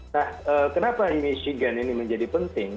nah kenapa di michigan ini menjadi penting